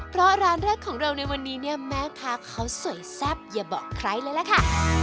เพราะร้านแรกของเราในวันนี้เนี่ยแม่ค้าเขาสวยแซ่บอย่าบอกใครเลยล่ะค่ะ